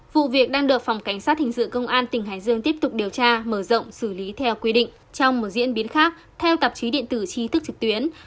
vụ việc đang được phòng cảnh sát hình sự công an tỉnh hải dương tiếp tục điều tra mở rộng xử lý theo quy định trong một diễn biến khác theo tạp chí điện tử trí thức trực tuyến